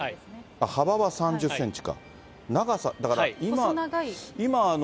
あっ、幅は３０センチか。